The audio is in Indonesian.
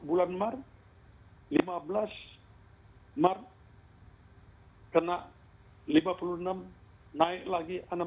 bulan maret lima belas maret kena lima puluh enam naik lagi enam belas